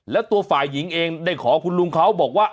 แล้วตัวฝ่ายหญิงเองได้ขอคุณลุงเขาบอกว่า